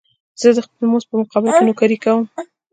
زه د خپل مزد په مقابل کې نوکري کوم